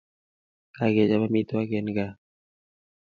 Kakechap amitwokik en gaa .